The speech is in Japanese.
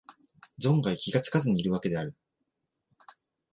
存外気がつかずにいるわけである